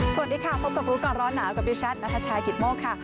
สวัสดีค่ะพบกับรู้ก่อนร้อนหนาวกับดิฉันนัทชายกิตโมกค่ะ